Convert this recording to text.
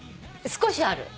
少しある。